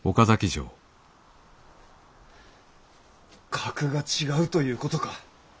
格が違うということか！